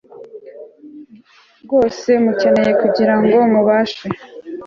bwose mukeneye kugira ngo mubashe